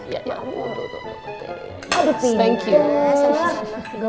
kayaknya makan gak cuma aku doang sayang